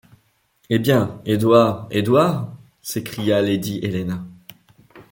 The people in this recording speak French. Eh bien, Edward, Edward? s’écria lady Helena.